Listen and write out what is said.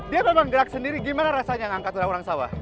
dia memang gerak sendiri gimana rasanya ngangkat orang orang sawah